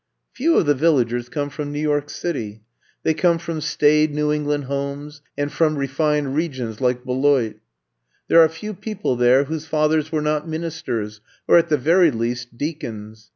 Few of the Villagers come from New York City. They come from staid New I'VE COME TO STAY 7 England homes and from refined regions like Beloit. There are few people there whose fathers were not ministers,, or at the very least, deacons.